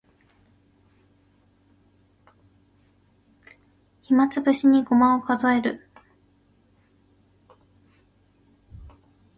暇つぶしにごまを数える